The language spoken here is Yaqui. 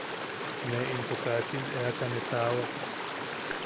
Ne into kachin eaka ne taawak.